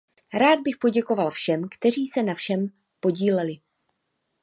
Rád bych poděkoval všem, kteří se na všem podíleli.